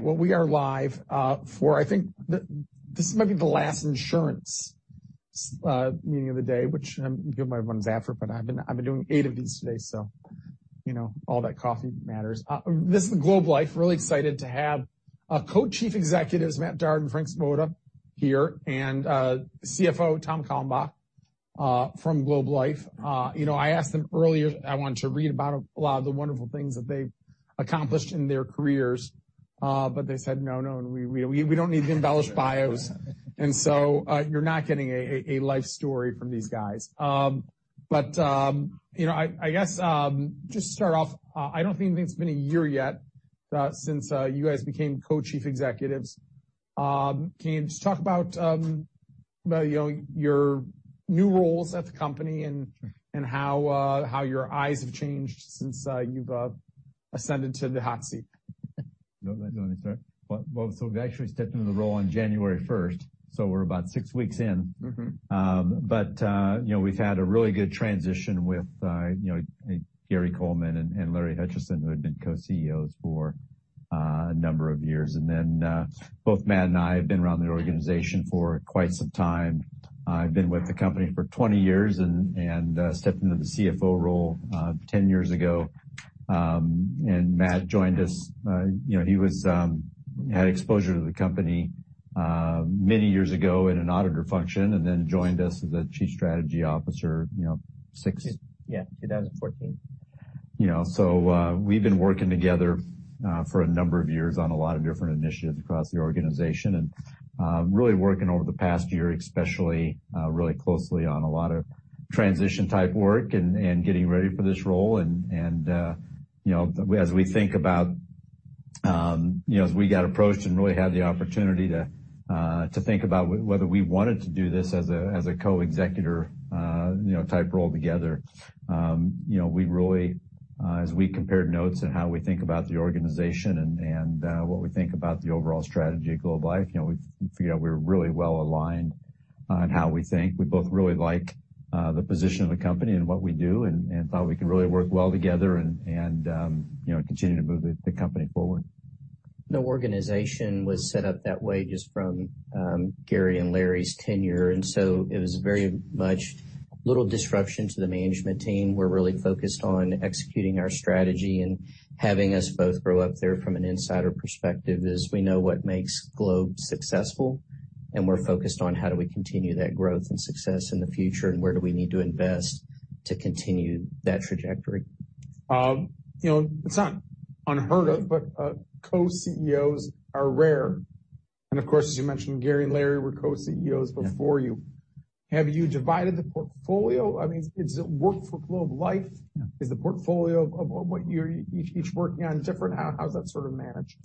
We are live for I think this might be the last insurance meeting of the day, which I give everyone's effort, but I've been doing eight of these today, so you know, all that coffee matters. This is Globe Life. Really excited to have Co-Chief Executives Matt Darden, Frank Svoboda here, and CFO Tom Kalmbach from Globe Life. You know, I asked them earlier, I wanted to read about a lot of the wonderful things that they've accomplished in their careers, but they said, "No, no, we don't need the embellished bios." You're not getting a life story from these guys. You know, I guess just to start off, I don't think it's been one year yet since you guys became Co-Chief Executives. Can you just talk about, you know, your new roles at the company and how your eyes have changed since you've ascended to the hot seat? Do you want me to start? Well, we actually stepped into the role on January first, so we're about six weeks in. Mm-hmm. You know, we've had a really good transition with, you know, Gary Coleman and Larry Hutchison, who had been co-CEOs for a number of years. Both Matt and I have been around the organization for quite some time. I've been with the company for 20 years and stepped into the CFO role 10 years ago. Matt joined us, you know, he was, had exposure to the company many years ago in an auditor function, and then joined us as a chief strategy officer, you know, Yeah, 2014. You know, we've been working together for a number of years on a lot of different initiatives across the organization, and, really working over the past year especially, really closely on a lot of transition type work and getting ready for this role. You know, as we think about, you know, as we got approached and really had the opportunity to think about whether we wanted to do this as a co-executive, you know, type role together, you know, we really, as we compared notes on how we think about the organization and, what we think about the overall strategy at Globe Life, you know, we figured out we're really well aligned on how we think. We both really like, the position of the company and what we do, and thought we could really work well together and, you know, continue to move the company forward. The organization was set up that way just from Gary and Larry's tenure. It was very much little disruption to the management team. We're really focused on executing our strategy and having us both grow up there from an insider perspective is we know what makes Globe successful, and we're focused on how do we continue that growth and success in the future, and where do we need to invest to continue that trajectory. You know, it's not unheard of, but co-CEOs are rare. Of course, as you mentioned, Gary and Larry were co-CEOs before you. Yeah. Have you divided the portfolio? I mean, does it work for Globe Life? Yeah. Is the portfolio of what you're each working on different? How is that sort of managed?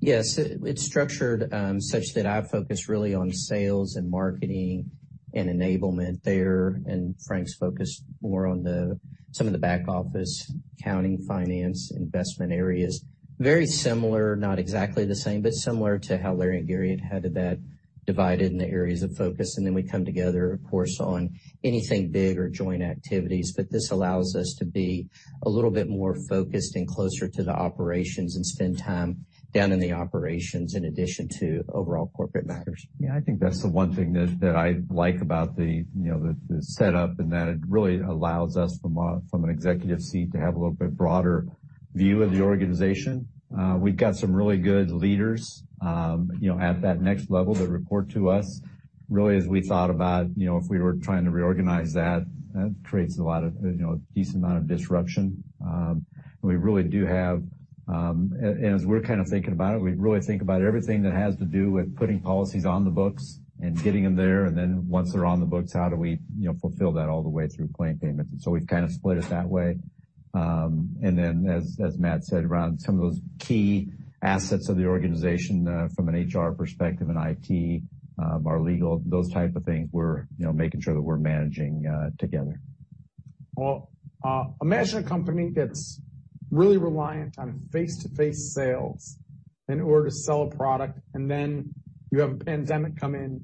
Yes. It's structured, such that I focus really on sales and marketing and enablement there, and Frank's focused more on some of the back office, accounting, finance, investment areas. Very similar, not exactly the same, but similar to how Larry and Gary had that divided in the areas of focus. Then we come together, of course, on anything big or joint activities. This allows us to be a little bit more focused and closer to the operations and spend time down in the operations in addition to overall corporate matters. Yeah, I think that's the one thing that I like about the, you know, the setup in that it really allows us from an executive seat to have a little bit broader view of the organization. We've got some really good leaders, you know, at that next level that report to us. Really, as we thought about, you know, if we were trying to reorganize that creates a lot of, you know, a decent amount of disruption. We really do have, and as we're kind of thinking about it, we really think about everything that has to do with putting policies on the books and getting them there. Then once they're on the books, how do we, you know, fulfill that all the way through claim payments? So we've kind of split it that way. As Matt said, around some of those key assets of the organization, from an HR perspective and IT, our legal, those type of things, we're, you know, making sure that we're managing, together. Well, imagine a company that's really reliant on face-to-face sales in order to sell a product, and then you have a pandemic come in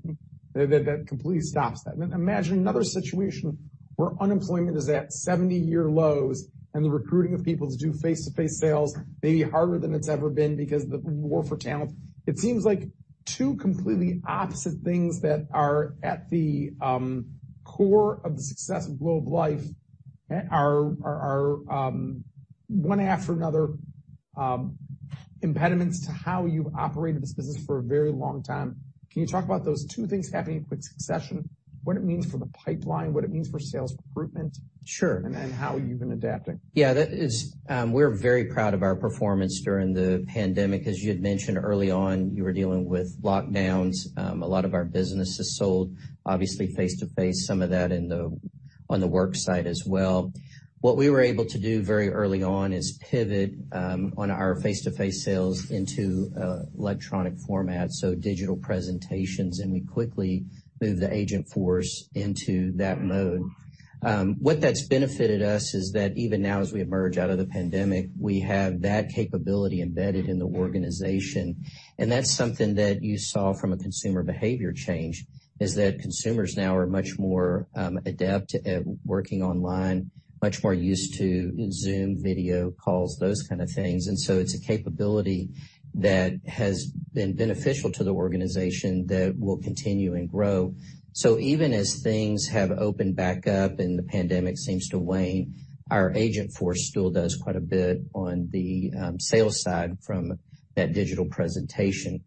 that completely stops that. Imagine another situation where unemployment is at 70-year lows and the recruiting of people to do face-to-face sales may be harder than it's ever been because the war for talent. It seems like two completely opposite things that are at the core of the success of Globe Life are one after another impediments to how you've operated this business for a very long time. Can you talk about those two things happening in quick succession, what it means for the pipeline, what it means for sales recruitment- Sure. How you've been adapting? Yeah, that is, we're very proud of our performance during the pandemic. As you had mentioned early on, you were dealing with lockdowns. A lot of our business is sold obviously face-to-face, some of that on the work site as well. What we were able to do very early on is pivot on our face-to-face sales into electronic format, so digital presentations, and we quickly moved the agent force into that mode. What that's benefited us is that even now, as we emerge out of the pandemic, we have that capability embedded in the organization. That's something that you saw from a consumer behavior change, is that consumers now are much more adept at working online, much more used to Zoom video calls, those kind of things. It's a capability that has been beneficial to the organization that will continue and grow. Even as things have opened back up and the pandemic seems to wane, our agent force still does quite a bit on the sales side from that digital presentation.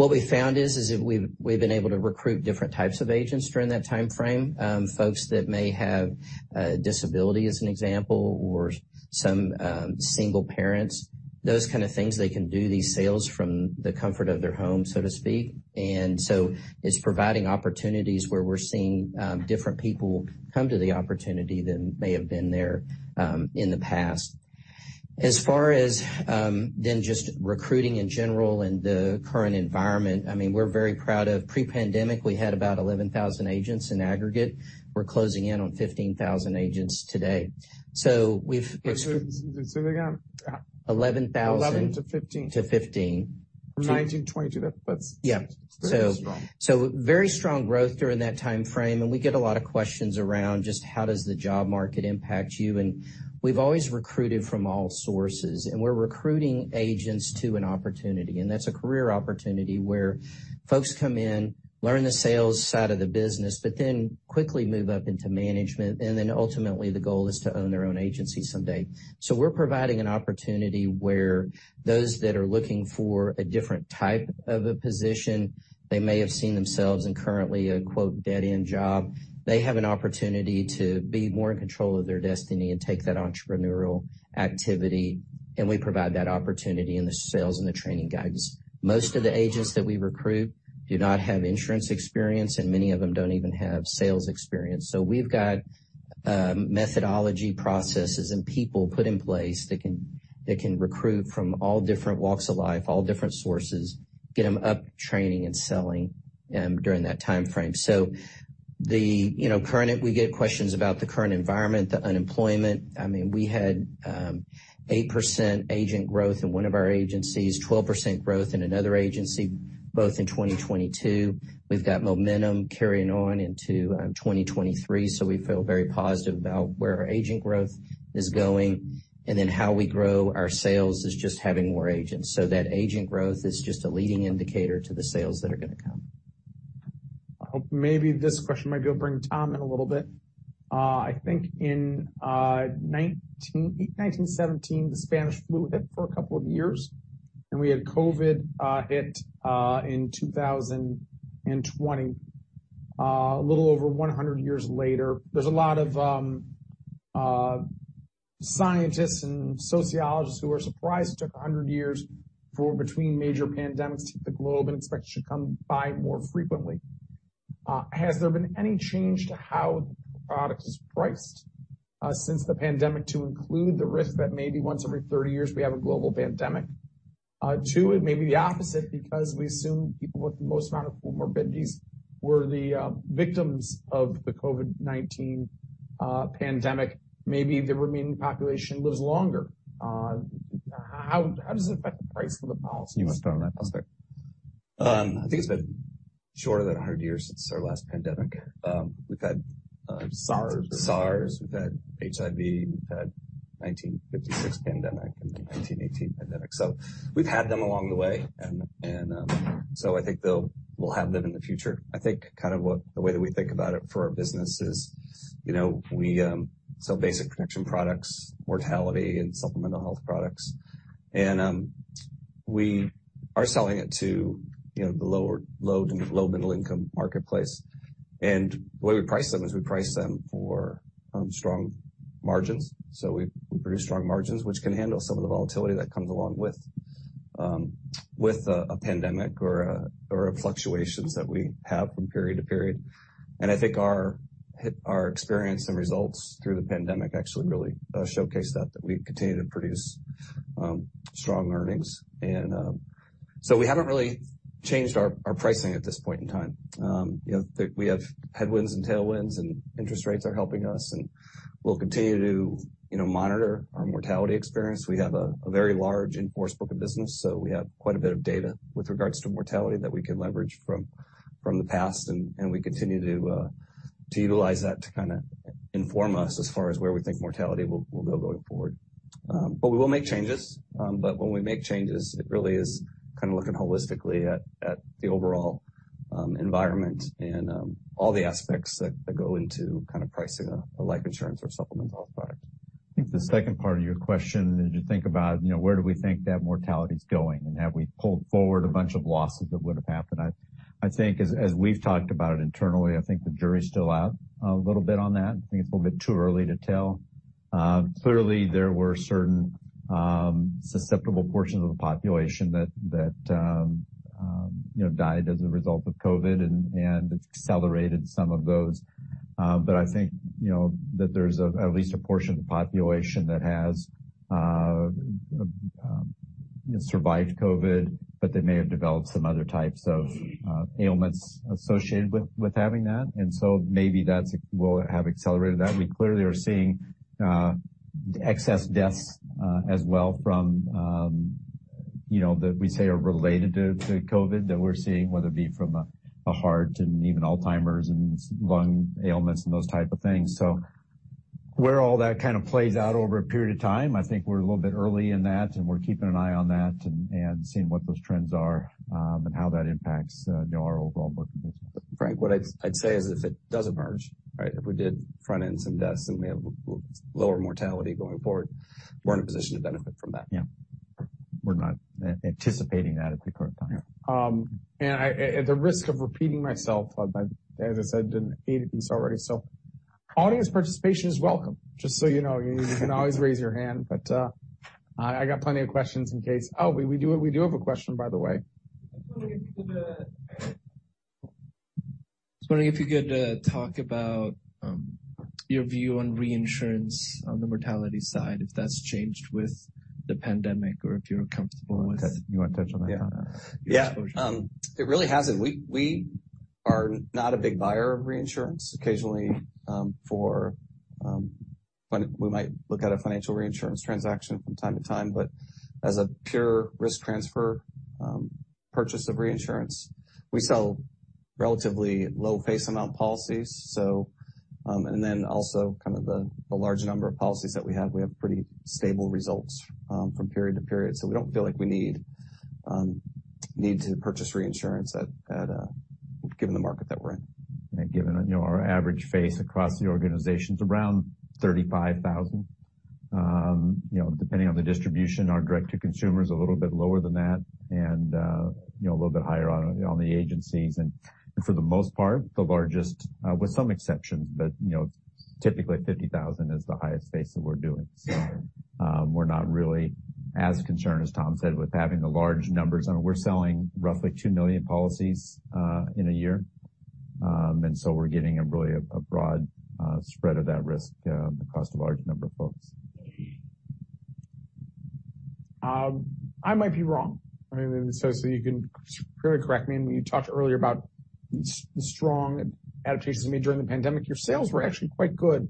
What we found is that we've been able to recruit different types of agents during that time frame, folks that may have a disability, as an example, or some single parents, those kind of things. They can do these sales from the comfort of their home, so to speak. It's providing opportunities where we're seeing different people come to the opportunity than may have been there in the past. As far as, just recruiting in general in the current environment, I mean, we're very proud of pre-pandemic, we had about 11,000 agents in aggregate. We're closing in on 15,000 agents today. So they got- $11,000. 11-15. To 15. From 1920 to that. Yeah. Very strong. Very strong growth during that time frame. We get a lot of questions around just how does the job market impact you? We've always recruited from all sources, and we're recruiting agents to an opportunity. That's a career opportunity where folks come in, learn the sales side of the business, but then quickly move up into management, and then ultimately the goal is to own their own agency someday. We're providing an opportunity where those that are looking for a different type of a position, they may have seen themselves in currently a, quote, "dead-end job." They have an opportunity to be more in control of their destiny and take that entrepreneurial activity, and we provide that opportunity in the sales and the training guidance. Most of the agents that we recruit do not have insurance experience, and many of them don't even have sales experience. We've got methodology, processes, and people put in place that can, that can recruit from all different walks of life, all different sources, get them up training and selling during that time frame. The, you know, we get questions about the current environment, the unemployment. I mean, we had 8% agent growth in one of our agencies, 12% growth in another agency, both in 2022. We've got momentum carrying on into 2023. We feel very positive about where our agent growth is going and then how we grow our sales is just having more agents. That agent growth is just a leading indicator to the sales that are going to come. Maybe this question might be able to bring Tom in a little bit. I think in 1917, the Spanish flu hit for a couple of years, and we had COVID hit in 2020, a little over 100 years later. There's a lot of scientists and sociologists who are surprised it took 100 years for between major pandemics to hit the globe, and expect it should come by more frequently. Has there been any change to how the product is priced since the pandemic to include the risk that maybe once every 30 years we have a global pandemic? Two, it may be the opposite because we assume people with the most amount of comorbidities were the victims of the COVID-19 pandemic. Maybe the remaining population lives longer. How does it affect the price for the policies? You must know on that aspect. I think it's been shorter than 100 years since our last pandemic. We've had. SARS. SARS, we've had HIV, we've had 1956 pandemic and the 1918 pandemic. We've had them along the way. I think we'll have them in the future. I think kind of the way that we think about it for our business is, you know, we sell basic protection products, mortality and supplemental health products. We are selling it to, you know, low to low middle income marketplace. The way we price them is we price them for strong margins. We produce strong margins, which can handle some of the volatility that comes along with a pandemic or fluctuations that we have from period to period. I think our experience and results through the pandemic actually really showcase that we continue to produce strong earnings. We haven't really changed our pricing at this point in time. You know, we have headwinds and tailwinds and interest rates are helping us, and we'll continue to, you know, monitor our mortality experience. We have a very large in-force book of business, so we have quite a bit of data with regards to mortality that we can leverage from the past, and we continue to utilize that to kind of inform us as far as where we think mortality will go going forward. We will make changes. When we make changes, it really is kind of looking holistically at the overall environment and all the aspects that go into kind of pricing a life insurance or supplemental health product. I think the second part of your question as you think about, you know, where do we think that mortality is going and have we pulled forward a bunch of losses that would have happened? I think as we've talked about it internally, I think the jury is still out a little bit on that. I think it's a little bit too early to tell. Clearly there were certain susceptible portions of the population that, you know, died as a result of COVID and it's accelerated some of those. I think, you know, that there's at least a portion of the population that has Survived COVID. They may have developed some other types of ailments associated with having that. Maybe that's will have accelerated that. We clearly are seeing excess deaths as well from, you know, that we say are related to COVID that we're seeing, whether it be from a heart and even Alzheimer's and lung ailments and those type of things. Where all that kind of plays out over a period of time, I think we're a little bit early in that, and we're keeping an eye on that and seeing what those trends are, and how that impacts, you know, our overall book of business. Frank, what I'd say is if it does emerge, right, if we did front-end some deaths and we have lower mortality going forward, we're in a position to benefit from that. Yeah. We're not anticipating that at the current time. Yeah. I, at the risk of repeating myself, as I said in the beginning of this already, so audience participation is welcome. Just so you know, you can always raise your hand, but, I got plenty of questions in case. Oh, we do have a question, by the way. I was wondering if you could talk about your view on reinsurance on the mortality side, if that's changed with the pandemic or if you're comfortable with it? You wanna touch on that, Tom? Yeah. It really hasn't. We are not a big buyer of reinsurance. Occasionally, for when we might look at a financial reinsurance transaction from time to time, but as a pure risk transfer, purchase of reinsurance, we sell relatively low face amount policies. And then also kind of the large number of policies that we have, we have pretty stable results from period to period. We don't feel like we need to purchase reinsurance at given the market that we're in. Given, you know, our average face across the organization is around 35,000. You know, depending on the distribution, our direct to consumer is a little bit lower than that and, you know, a little bit higher on the agencies. For the most part, the largest, with some exceptions, but, you know, typically 50,000 is the highest face that we're doing. We're not really as concerned as Tom said, with having the large numbers. I mean, we're selling roughly two million policies in a year. We're getting a really, a broad spread of that risk across a large number of folks. I might be wrong. I mean, so you can correct me when you talked earlier about strong adaptations made during the pandemic. Your sales were actually quite good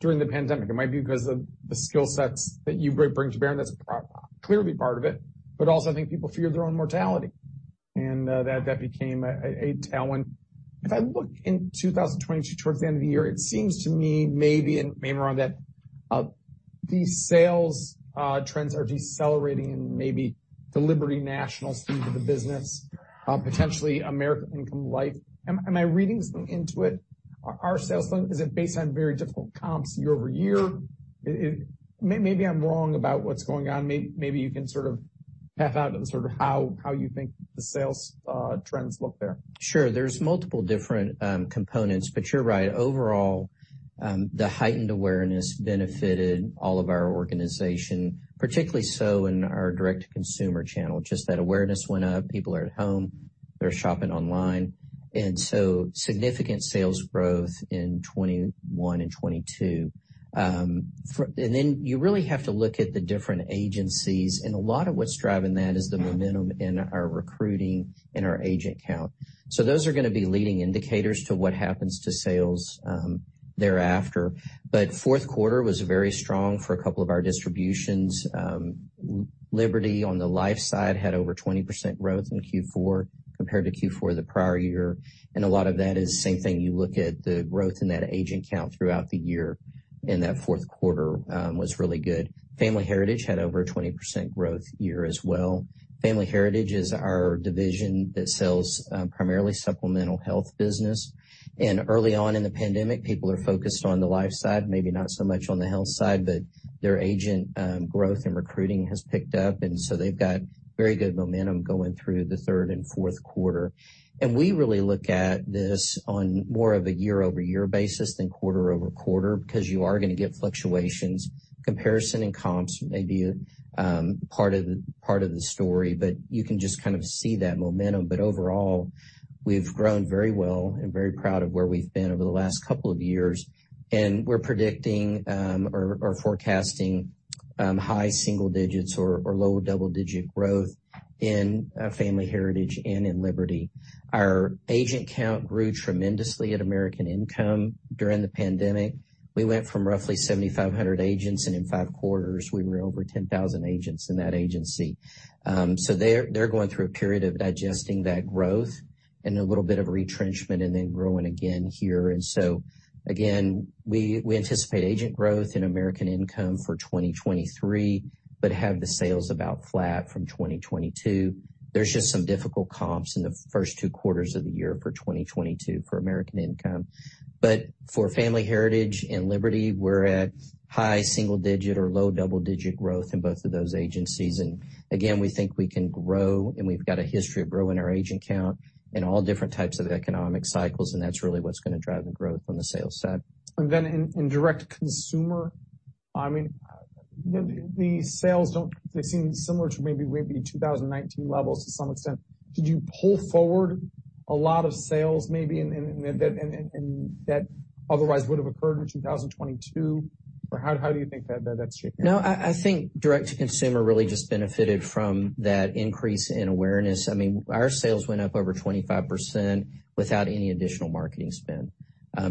during the pandemic. It might be because of the skill sets that you bring to bear, and that's clearly part of it. Also, I think people fear their own mortality, and that became a tailwind. If I look in 2022, towards the end of the year, it seems to me maybe, and I may be wrong, that these sales trends are decelerating and maybe the Liberty National speed of the business, potentially American Income Life. Am I reading into it? Are our sales then, is it based on very difficult comps year-over-year? Maybe I'm wrong about what's going on. Maybe you can sort of path out sort of how you think the sales trends look there. Sure. There's multiple different components, but you're right. Overall, the heightened awareness benefited all of our organization, particularly so in our direct to consumer channel. Just that awareness went up. People are at home, they're shopping online, significant sales growth in 2021 and 2022. You really have to look at the different agencies, and a lot of what's driving that is the momentum in our recruiting and our agent count. Those are gonna be leading indicators to what happens to sales thereafter. Fourth quarter was very strong for a couple of our distributions. Liberty on the life side had over 20% growth in Q4 compared to Q4 the prior year. A lot of that is same thing. You look at the growth in that agent count throughout the year, that fourth quarter was really good. Family Heritage had over a 20% growth year as well. Family Heritage is our division that sells primarily supplemental health business. Early on in the pandemic, people are focused on the life side, maybe not so much on the health side, but their agent growth and recruiting has picked up, so they've got very good momentum going through the third and fourth quarter. We really look at this on more of a year-over-year basis than quarter-over-quarter because you are gonna get fluctuations. Comparison and comps may be part of the story, but you can just kind of see that momentum. Overall, we've grown very well and very proud of where we've been over the last couple of years. We're predicting, or forecasting, high single digits or low double-digit growth in Family Heritage and in Liberty. Our agent count grew tremendously at American Income during the pandemic. We went from roughly 7,500 agents, and in five quarters we were over 10,000 agents in that agency. They're going through a period of digesting that growth and a little bit of retrenchment and then growing again here. Again, we anticipate agent growth in American Income for 2023, but have the sales about flat from 2022. There's just some difficult comps in the first two quarters of the year for 2022 for American Income. For Family Heritage and Liberty, we're at high single-digit or low double-digit growth in both of those agencies. Again, we think we can grow, and we've got a history of growing our agent count in all different types of economic cycles, and that's really what's gonna drive the growth on the sales side. Then in direct to consumer, I mean, the sales seem similar to maybe 2019 levels to some extent. Did you pull forward a lot of sales maybe and that otherwise would have occurred in 2022 or how do you think that's shaping up? I think direct to consumer really just benefited from that increase in awareness. I mean, our sales went up over 25% without any additional marketing spend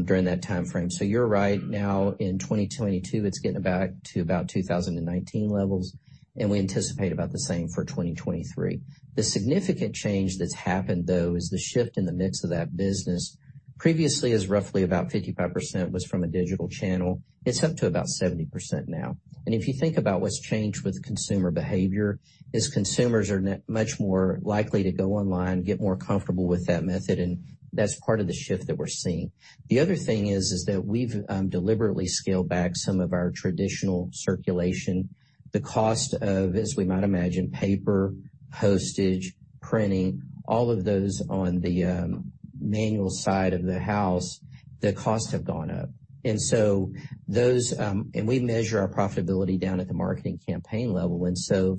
during that time frame. You're right. Now in 2022, it's getting back to about 2019 levels, and we anticipate about the same for 2023. The significant change that's happened, though, is the shift in the mix of that business previously is roughly about 55% was from a digital channel. It's up to about 70% now. If you think about what's changed with consumer behavior is consumers are much more likely to go online, get more comfortable with that method, and that's part of the shift that we're seeing. The other thing is that we've deliberately scaled back some of our traditional circulation. The cost of, as we might imagine, paper, postage, printing, all of those on the manual side of the house, the costs have gone up. We measure our profitability down at the marketing campaign level.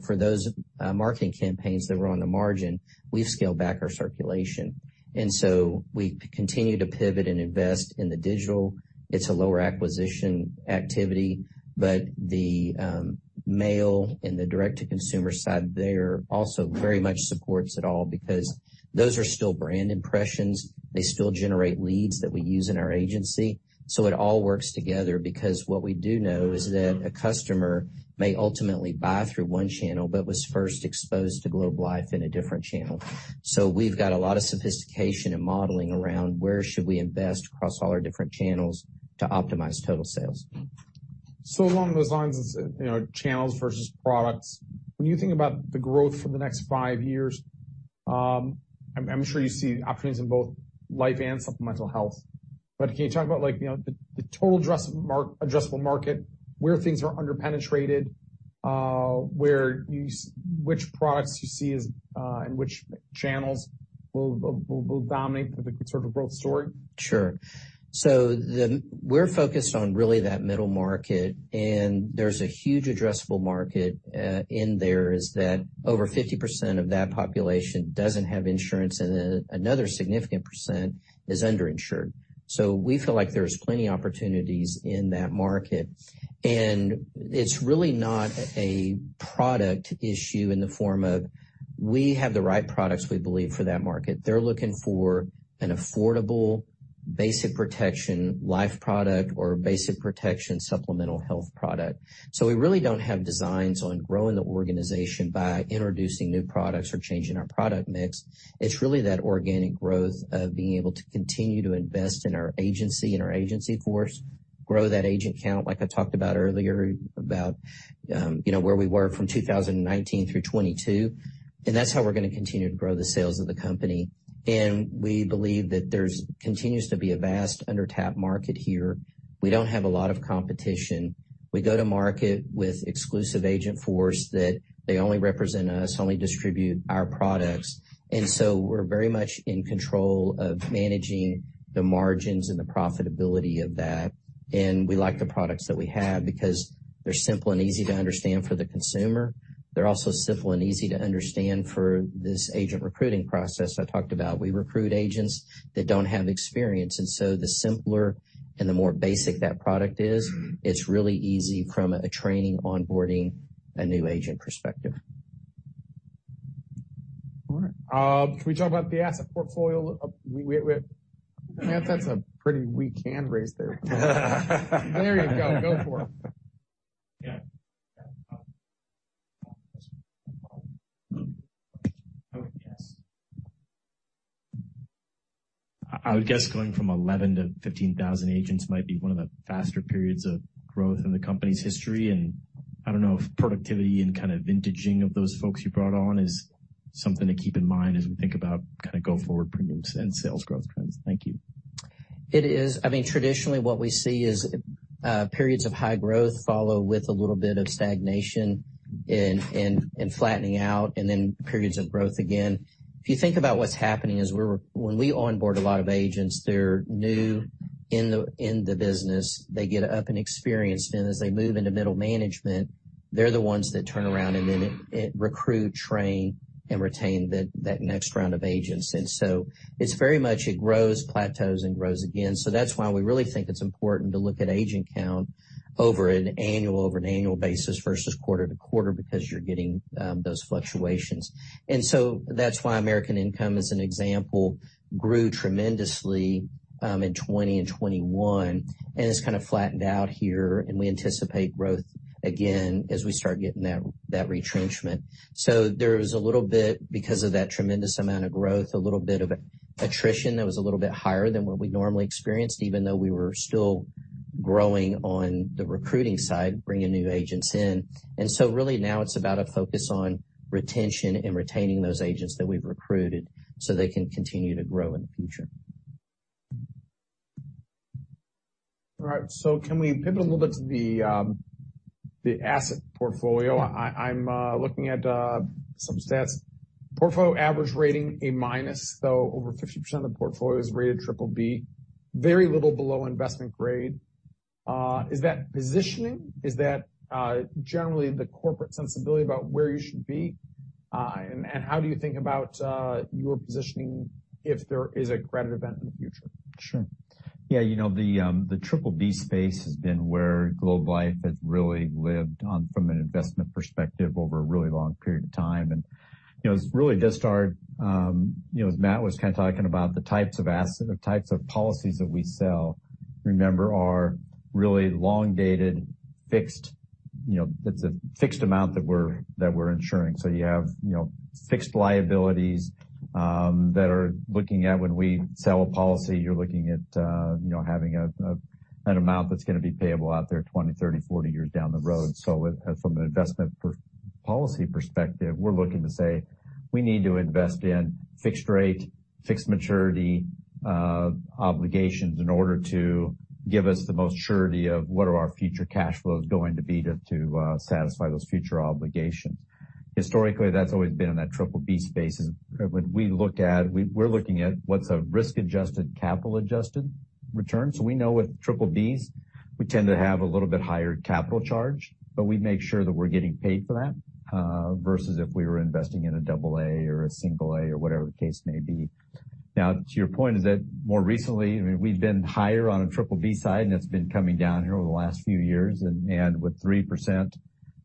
For those marketing campaigns that were on the margin, we've scaled back our circulation. We continue to pivot and invest in the digital. It's a lower acquisition activity, but the mail and the direct-to-consumer side there also very much supports it all because those are still brand impressions. They still generate leads that we use in our agency. It all works together because what we do know is that a customer may ultimately buy through one channel but was first exposed to Globe Life in a different channel. We've got a lot of sophistication and modeling around where should we invest across all our different channels to optimize total sales. Along those lines, it's, you know, channels versus products. When you think about the growth for the next five years, I'm sure you see opportunities in both life and supplemental health. Can you talk about, like, you know, the total addressable market, where things are under-penetrated, which products you see as, and which channels will dominate for the sort of growth story? Sure. We're focused on really that middle market, and there's a huge addressable market in there is that over 50% of that population doesn't have insurance, and another significant percent is underinsured. We feel like there's plenty opportunities in that market. It's really not a product issue in the form of we have the right products we believe for that market. They're looking for an affordable basic protection life product or basic protection supplemental health product. We really don't have designs on growing the organization by introducing new products or changing our product mix. It's really that organic growth of being able to continue to invest in our agency and our agency force, grow that agent count, like I talked about earlier, about, you know, where we were from 2019 through 2022, and that's how we're going to continue to grow the sales of the company. We believe that there's continues to be a vast undertapped market here. We don't have a lot of competition. We go to market with exclusive agent force that they only represent us, only distribute our products. We're very much in control of managing the margins and the profitability of that. We like the products that we have because they're simple and easy to understand for the consumer. They're also simple and easy to understand for this agent recruiting process I talked about. We recruit agents that don't have experience, and so the simpler and the more basic that product is, it's really easy from a training, onboarding a new agent perspective. All right. Can we talk about the asset portfolio? Matt, that's a pretty weak hand raise there. There you go. Go for it. Yeah. I would guess going from 11-15,000 agents might be one of the faster periods of growth in the company's history. I don't know if productivity and kind of vintaging of those folks you brought on is something to keep in mind as we think about kind of go forward premiums and sales growth trends. Thank you. It is. I mean, traditionally, what we see is periods of high growth follow with a little bit of stagnation and flattening out and then periods of growth again. If you think about what's happening is when we onboard a lot of agents, they're new in the, in the business. They get up and experienced, and as they move into middle management, they're the ones that turn around and then recruit, train, and retain that next round of agents. It's very much it grows, plateaus, and grows again. That's why we really think it's important to look at agent count over an annual basis versus quarter to quarter because you're getting those fluctuations. That's why American Income, as an example, grew tremendously in 2020 and 2021, and it's kind of flattened out here, and we anticipate growth again as we start getting that retrenchment. There's a little bit, because of that tremendous amount of growth, a little bit of attrition that was a little bit higher than what we normally experienced, even though we were still growing on the recruiting side, bringing new agents in. Really now it's about a focus on retention and retaining those agents that we've recruited so they can continue to grow in the future. All right. Can we pivot a little bit to the asset portfolio? I'm looking at some stats. Portfolio average rating A-minus, though over 50% of the portfolio is rated triple-B, very little below investment grade. Is that positioning? Is that generally the corporate sensibility about where you should be? How do you think about your positioning if there is a credit event in the future? Sure. Yeah, you know, the triple-B space has been where Globe Life has really lived on from an investment perspective over a really long period of time. You know, it's really just our, you know, as Matt was kind of talking about the types of asset or types of policies that we sell, remember, are really long-dated fixed. You know, that's a fixed amount that we're, that we're insuring. You have, you know, fixed liabilities that are looking at when we sell a policy, you're looking at an amount that's going to be payable out there 20, 30, 40 years down the road. From an investment policy perspective, we're looking to say, We need to invest in fixed rate, fixed maturity, obligations in order to give us the most surety of what are our future cash flows going to be to satisfy those future obligations. Historically, that's always been in that triple-B space is when we looked at, we're looking at what's a risk-adjusted, capital-adjusted return. We know with triple-Bs, we tend to have a little bit higher capital charge, but we make sure that we're getting paid for that versus if we were investing in a double-A or a single-A or whatever the case may be. To your point is that more recently, I mean, we've been higher on a triple-B side, and it's been coming down here over the last few years. With 3%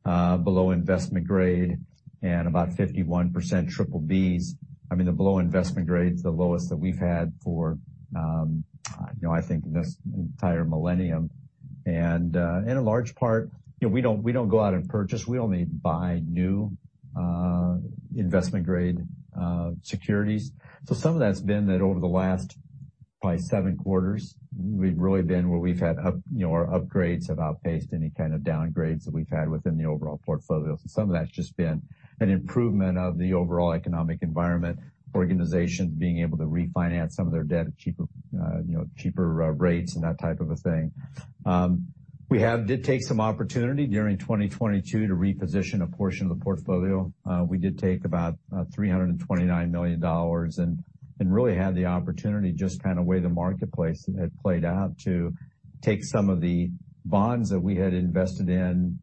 below investment grade and about 51% triple-Bs, I mean, the below investment grade is the lowest that we've had for, you know, I think this entire millennium. In a large part, you know, we don't go out and purchase. We only buy new investment-grade securities. Some of that's been that over the last probably seven quarters, we've really been where we've had up, you know, our upgrades have outpaced any kind of downgrades that we've had within the overall portfolios. Some of that's just been an improvement of the overall economic environment, organizations being able to refinance some of their debt at cheaper, you know, cheaper rates and that type of a thing. We have did take some opportunity during 2022 to reposition a portion of the portfolio. We did take about $329 million and really had the opportunity just kind of way the marketplace had played out to take some of the bonds that we had invested in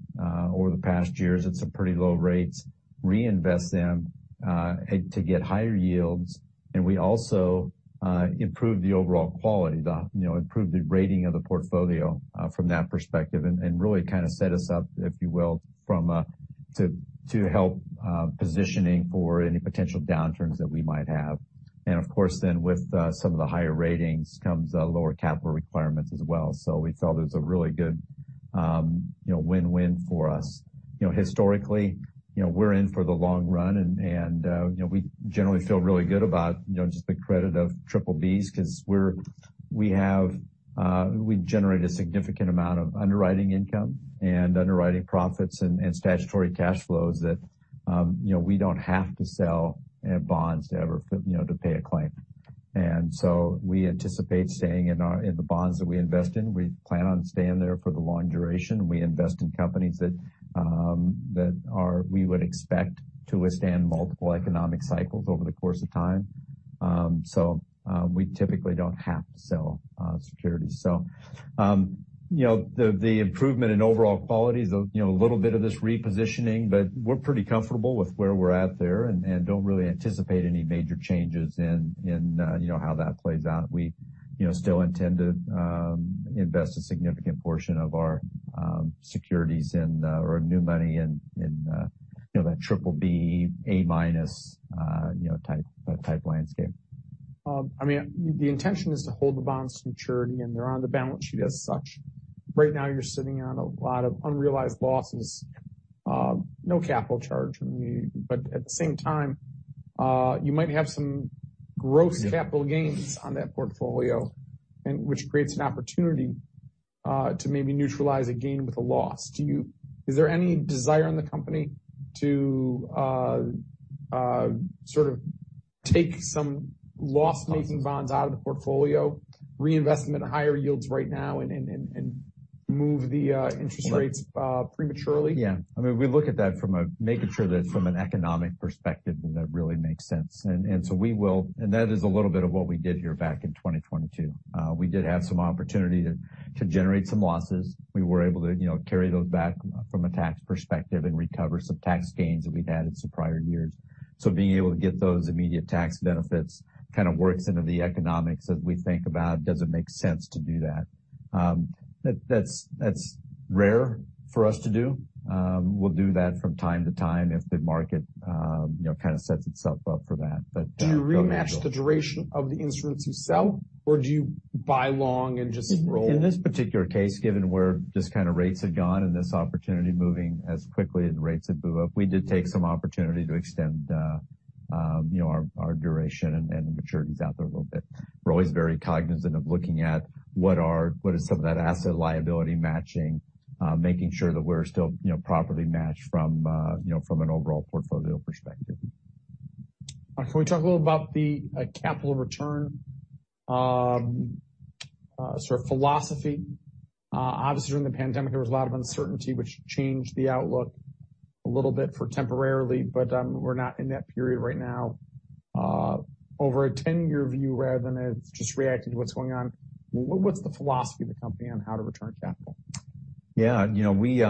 over the past years at some pretty low rates, reinvest them to get higher yields, and we also improved the overall quality, the, you know, improved the rating of the portfolio from that perspective and really kind of set us up, if you will, from to help positioning for any potential downturns that we might have. Of course, then with some of the higher ratings comes lower capital requirements as well. We felt it was a really good, you know, win-win for us. You know, historically, you know, we're in for the long run and, you know, we generally feel really good about, you know, just the credit of triple-B's 'cause we have, we generate a significant amount of underwriting income and underwriting profits and statutory cash flows that, you know, we don't have to sell bonds to ever, you know, to pay a claim. We anticipate staying in the bonds that we invest in. We plan on staying there for the long duration. We invest in companies that we would expect to withstand multiple economic cycles over the course of time. We typically don't have to sell securities. The improvement in overall quality is a, you know, little bit of this repositioning, but we're pretty comfortable with where we're at there and don't really anticipate any major changes in, you know, how that plays out. We, you know, still intend to invest a significant portion of our securities in or new money in, you know, that triple-B, A-minus, you know, type landscape. I mean, the intention is to hold the bonds to maturity, and they're on the balance sheet as such. Right now, you're sitting on a lot of unrealized losses, no capital charge. I mean, at the same time, you might have some gross capital gains on that portfolio and which creates an opportunity to maybe neutralize a gain with a loss. Is there any desire in the company to sort of take some loss-making bonds out of the portfolio, reinvest them at higher yields right now and move the interest rates prematurely? Yeah. I mean, we look at that from a making sure that it's from an economic perspective and that really makes sense. We will. That is a little bit of what we did here back in 2022. We did have some opportunity to generate some losses. We were able to, you know, carry those back from a tax perspective and recover some tax gains that we'd had in some prior years. Being able to get those immediate tax benefits kind of works into the economics as we think about does it make sense to do that? That's rare for us to do. We'll do that from time to time if the market, you know, kind of sets itself up for that. Do you rematch the duration of the instruments you sell, or do you buy long and just roll? In this particular case, given where just kind of rates had gone and this opportunity moving as quickly as rates have moved up, we did take some opportunity to extend, you know, our duration and the maturities out there a little bit. We're always very cognizant of looking at what is some of that asset liability matching, making sure that we're still, you know, properly matched from, you know, from an overall portfolio perspective. All right. Can we talk a little about the capital return sort of philosophy? Obviously, during the pandemic, there was a lot of uncertainty which changed the outlook a little bit for temporarily, but we're not in that period right now. Over a 10-year view rather than it's just reacting to what's going on, what's the philosophy of the company on how to return capital? Yeah. You know, we, you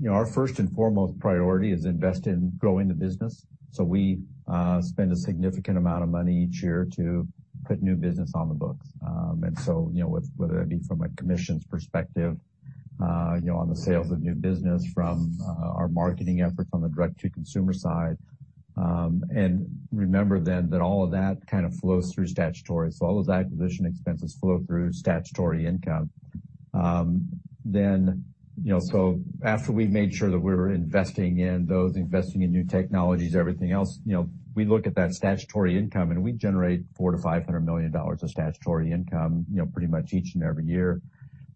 know, our first and foremost priority is invest in growing the business. We spend a significant amount of money each year to put new business on the books. You know, whether it be from a commissions perspective, you know, on the sales of new business from our marketing efforts on the direct-to-consumer side. Remember then that all of that kind of flows through statutory. All those acquisition expenses flow through statutory income. You know, after we've made sure that we're investing in those, investing in new technologies, everything else, you know, we look at that statutory income. We generate $400 million-$500 million of statutory income, you know, pretty much each and every year.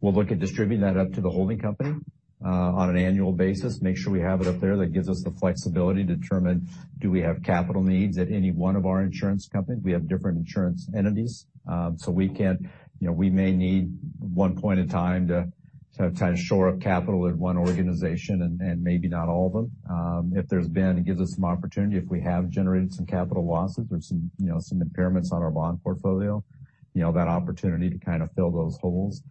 We'll look at distributing that up to the holding company, on an annual basis, make sure we have it up there. That gives us the flexibility to determine do we have capital needs at any one of our insurance companies. We have different insurance entities. You know, we may need one point in time to kind of shore up capital at one organization and maybe not all of them. If there's been, it gives us some opportunity if we have generated some capital losses or some, you know, some impairments on our bond portfolio, you know, that opportunity to kind of fill those holes.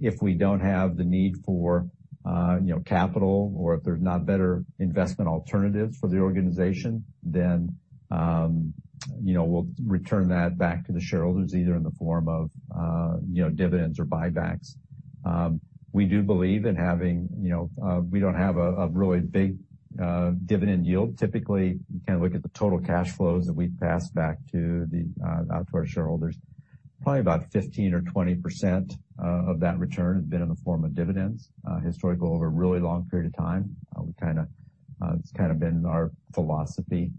If we don't have the need for, you know, capital or if there's not better investment alternatives for the organization, you know, we'll return that back to the shareholders, either in the form of, you know, dividends or buybacks. We do believe in having, you know, we don't have a really big dividend yield. Typically, you kind of look at the total cash flows that we've passed back to the out to our shareholders, probably about 15% or 20% of that return has been in the form of dividends. Historically, over a really long period of time, we kinda, it's kind of been our philosophy.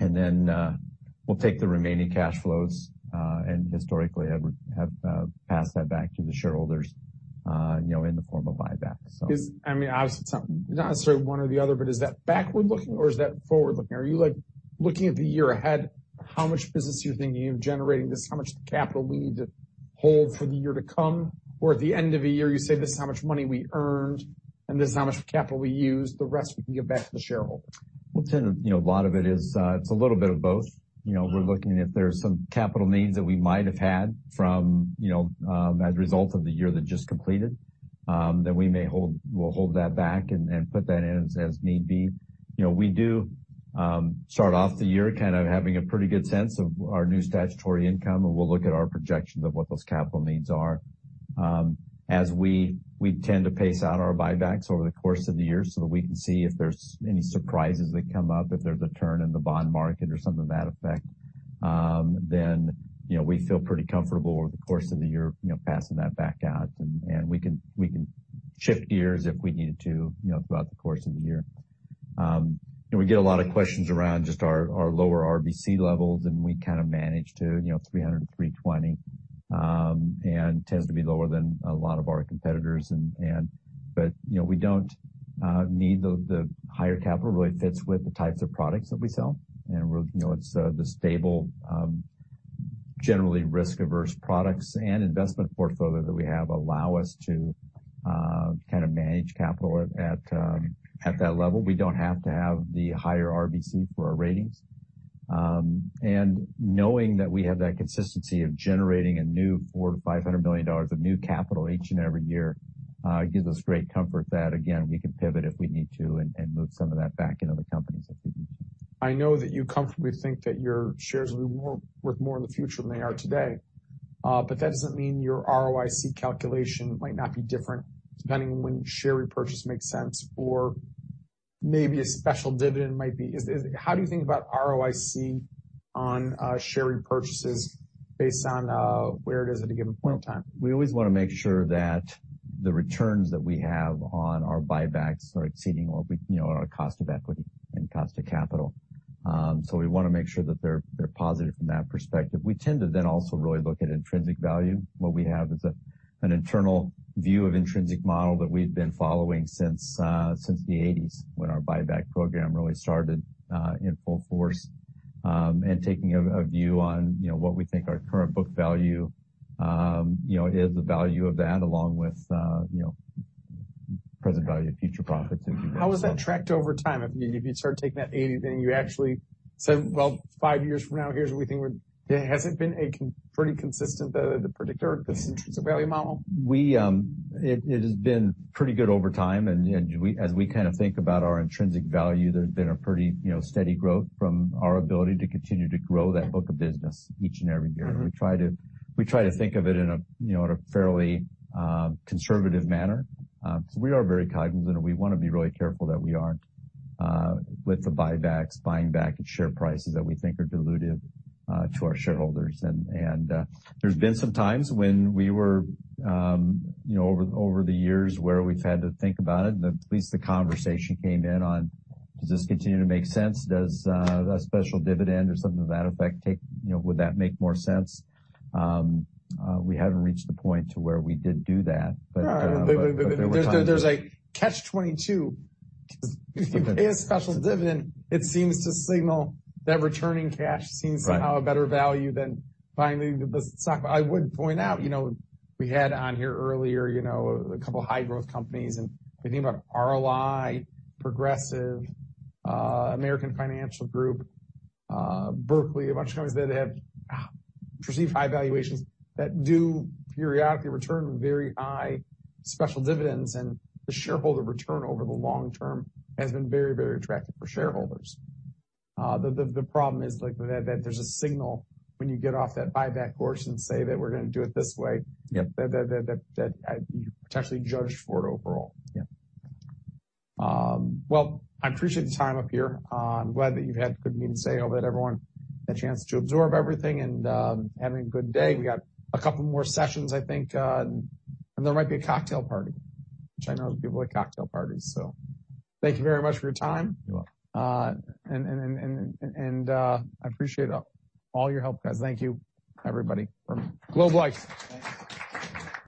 We'll take the remaining cash flows, and historically have passed that back to the shareholders, you know, in the form of buybacks, so. I mean, obviously it's not necessarily one or the other, but is that backward-looking or is that forward-looking? Are you, like, looking at the year ahead, how much business you think you're generating, this is how much capital we need to hold for the year to come? Or at the end of a year, you say, "This is how much money we earned, and this is how much capital we used, the rest we can give back to the shareholder? Tim, you know, a lot of it is, it's a little bit of both. You know, we're looking if there's some capital needs that we might have had from, you know, as a result of the year that just completed, then we'll hold that back and put that in as need be. You know, we do start off the year kind of having a pretty good sense of our new statutory income, and we'll look at our projections of what those capital needs are. We tend to pace out our buybacks over the course of the year, so we can see if there's any surprises that come up, if there's a turn in the bond market or something to that effect. You know, we feel pretty comfortable over the course of the year, you know, passing that back out. We can shift gears if we needed to, you know, throughout the course of the year. We get a lot of questions around just our lower RBC levels, and we kind of manage to, you know, 300 and 320, and tends to be lower than a lot of our competitors. You know, we don't need the higher capital. It really fits with the types of products that we sell. You know, it's the stable, generally risk-averse products and investment portfolio that we have allow us to kind of manage capital at that level. We don't have to have the higher RBC for our ratings. Knowing that we have that consistency of generating a new $400 million-$500 million of new capital each and every year, gives us great comfort that, again, we can pivot if we need to and move some of that back into the companies if we need to. I know that you comfortably think that your shares will be worth more in the future than they are today. That doesn't mean your ROIC calculation might not be different depending on when share repurchase makes sense or maybe a special dividend might be. How do you think about ROIC on share repurchases based on where it is at a given point in time? We always wanna make sure that the returns that we have on our buybacks are exceeding what we, you know, our cost of equity and cost of capital. We wanna make sure that they're positive from that perspective. We tend to then also really look at intrinsic value. What we have is an internal view of intrinsic model that we've been following since the eighties when our buyback program really started in full force. Taking a view on, you know, what we think our current book value, you know, is the value of that, along with, you know, present value of future profits as we. How is that tracked over time? If you start taking that 80, then you actually said, "Well, five years from now, here's what we think would..." Has it been a pretty consistent, the predictor of this intrinsic value model? It has been pretty good over time. As we kind of think about our intrinsic value, there's been a pretty, you know, steady growth from our ability to continue to grow that book of business each and every year. Mm-hmm. We try to think of it in a, you know, in a fairly conservative manner. We are very cognizant, and we wanna be really careful that we aren't with the buybacks, buying back at share prices that we think are dilutive to our shareholders. There's been some times when we were, you know, over the years where we've had to think about it, at least the conversation came in on, does this continue to make sense? Does a special dividend or something to that effect take, you know, would that make more sense? We haven't reached the point to where we did do that. But- Right. There's a catch 22. If you pay a special dividend, it seems to signal that returning cash seems somehow a better value than finally the stock. I would point out, you know, we had on here earlier, you know, a couple high growth companies, and if you think about ROI, Progressive, American Financial Group, W. R. Berkley, a bunch of companies that have received high valuations that do periodically return very high special dividends, and the shareholder return over the long-term has been very, very attractive for shareholders. The problem is like there's a signal when you get off that buyback course and say that we're gonna do it this way- Yep. that you're potentially judged for it overall. Yeah. Well, I appreciate the time up here. I'm glad that you've had good meeting sale. I hope that everyone had a chance to absorb everything and, having a good day. We got a couple more sessions, I think. There might be a cocktail party, which I know people like cocktail parties. Thank you very much for your time. You're welcome. I appreciate all your help, guys. Thank you, everybody from Globe Life.